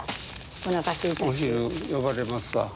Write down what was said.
お昼呼ばれますか。